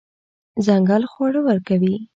ځنګل خواړه ورکوي.